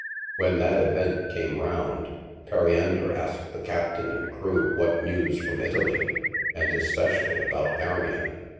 When that event came round, Periander asked the cap tain and crew what news from Italy, and especially about Arion.